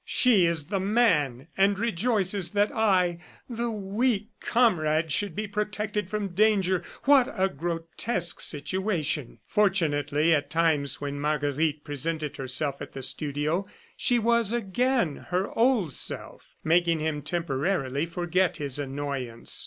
"She is the man and rejoices that I, the weak comrade, should be protected from danger. ... What a grotesque situation!" ... Fortunately, at times when Marguerite presented herself at the studio, she was again her old self, making him temporarily forget his annoyance.